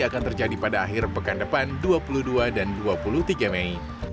akan terjadi pada akhir pekan depan dua puluh dua dan dua puluh tiga mei